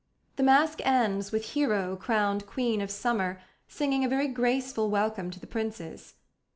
The masque ends with Hero, crowned Queen of Summer, singing a very graceful welcome to the princes.